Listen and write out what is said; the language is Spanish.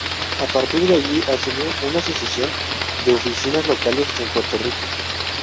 A partir de allí asumió una sucesión de oficinas locales en Puerto Rico.